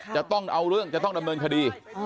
จะต้องเอาเรื่องจะต้องดำเนินคดี